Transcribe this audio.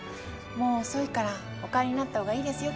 もう遅いからお帰りになったほうがいいですよ